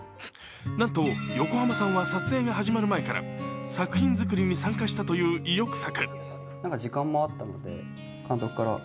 なんと、横浜さんは撮影が始まる前から作品作りに参加したという意欲作。